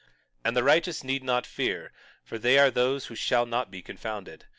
22:22 And the righteous need not fear, for they are those who shall not be confounded.